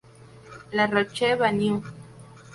La Roche-Vanneau